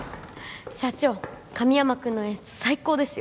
社長神山くんの演出最高ですよ